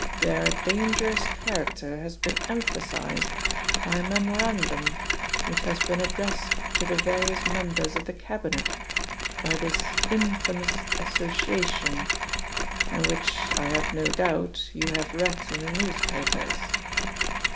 Their dangerous character has been emphasised by a memorandum which has been addressed to the various members of the Cabinet by this infamous association, and which, I have no doubt, you have read in the newspapers."